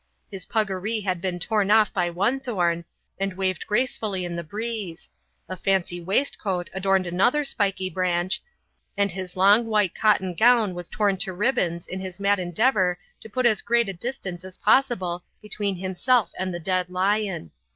His puggaree had been torn off by one thorn, and waved gracefully in the breeze; a fancy waistcoat adorned another spiky branch, and his long white cotton gown was torn to ribbons in his mad endeavour to put as great a distance as possible between himself and the dead lion.